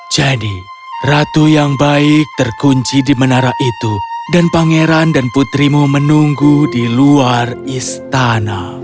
jadi ratu yang baik terkunci di menara itu dan pangeran dan putrimu menunggu di luar istana